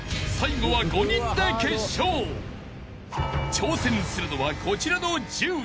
［挑戦するのはこちらの１０人］